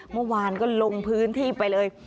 เมื่อวานก็ลงพื้นที่ไปเลย